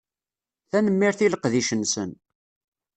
Tanemmirt i leqdic-nsen.